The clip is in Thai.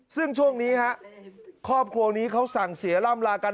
ซึ่งช่วงนี้ฮะครอบครัวนี้เขาสั่งเสียร่ำลากัน